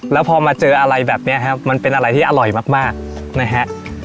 แล้วพอมาเจออะไรแบบนี้ครับมันเป็นอะไรที่อร่อยมากนะฮะ